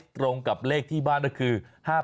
ตรงกับเลขที่บ้านก็คือ๕๘